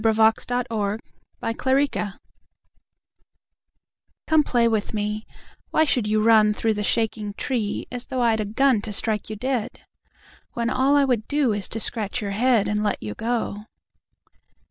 To a Squirrel at Kyle na gno COME play with me; Why should you runThrough the shaking treeAs though I'd a gunTo strike you dead? When all I would doIs to scratch your headAnd let you go.